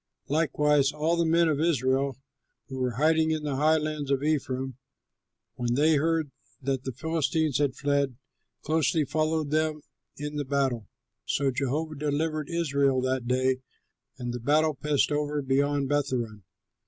Likewise all the men of Israel who were hiding in the highlands of Ephraim, when they heard that the Philistines had fled, closely followed them in the battle. So Jehovah delivered Israel that day, and the battle passed over beyond Bethhoron.